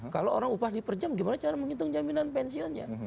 kalau orang upah diperjam gimana cara menghitung jaminan pensiunnya